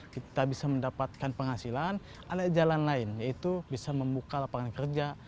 kita bisa mendapatkan penghasilan ada jalan lain yaitu bisa membuka lapangan kerja